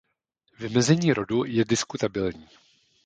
Vymezení rodu je diskutabilní.